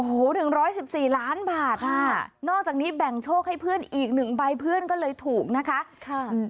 โอ้โห๑๑๔ล้านบาทอ่ะนอกจากนี้แบ่งโชคให้เพื่อนอีกหนึ่งใบเพื่อนก็เลยถูกนะคะค่ะ